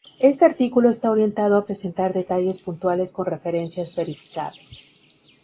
Este artículo está orientado a presentar detalles puntuales con referencias verificables.